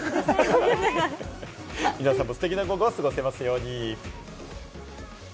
皆さんもステキな午後を過ごせますように。